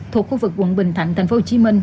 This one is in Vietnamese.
thuộc khu vực quận bình thạnh tp hcm